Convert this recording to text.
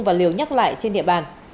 và liều nhắc lại trên địa bàn